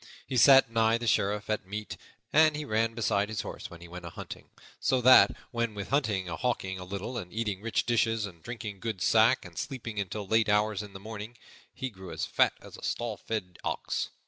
He sat nigh the Sheriff at meat, and he ran beside his horse when he went a hunting; so that, what with hunting and hawking a little, and eating rich dishes and drinking good sack, and sleeping until late hours in the morning, he grew as fat as a stall fed ox.